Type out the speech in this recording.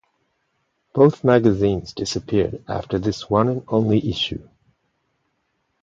Both magazines disappeared after this one and only issue.